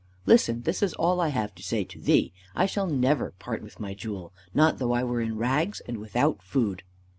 Listen, this is all I have to say to thee. I shall never part with my jewel, not though I were in rags and without food."